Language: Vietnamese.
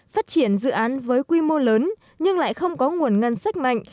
phát triển dự án với quy mô lớn nhưng lại không có nguồn ngân sách mạnh